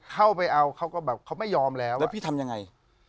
เข้าไปเอาเขาก็แบบเขาไม่ยอมแล้วแล้วพี่ทำยังไง